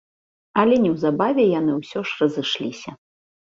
Але неўзабаве яны ўсё ж разышліся.